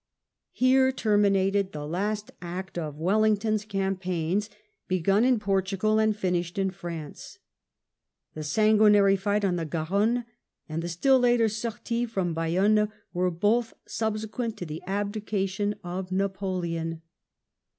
Here terminated the last act of Wellington's cam paigns, begun in Portugal and finished in France. The sanguinary fight on the Garonne, and the still later sortie from Bayonne, were both subsequent to the abdication of Napoleon.